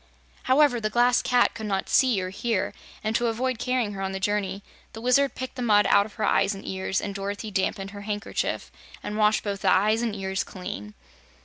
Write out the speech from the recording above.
However, the Glass Cat could not see or hear, and to avoid carrying her on the journey the Wizard picked the mud out of her eyes and ears and Dorothy dampened her handkerchief and washed both the eyes and ears clean.